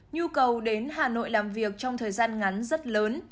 nhu cầu đến hà nội làm việc trong thời gian ngắn rất lớn